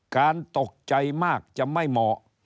ตกใจมากจะไม่เหมาะ